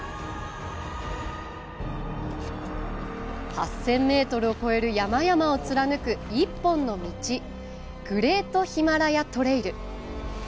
８０００ｍを超える山々を貫く１本の道グレートヒマラヤトレイル。